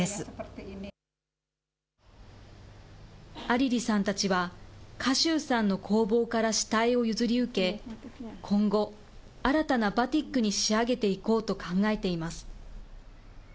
アリリさんたちは、賀集さんの工房から下絵を譲り受け、今後、新たなバティックに仕上げていこうと考えています。